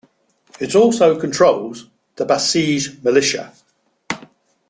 It also controls the Basij militia.